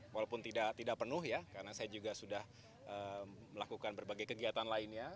walaupun tidak penuh ya karena saya juga sudah melakukan berbagai kegiatan lainnya